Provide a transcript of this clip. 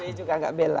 pak fb juga tidak bela